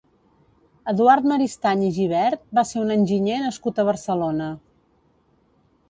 Eduard Maristany i Gibert va ser un enginyer nascut a Barcelona.